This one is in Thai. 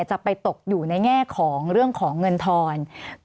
สวัสดีครับทุกคน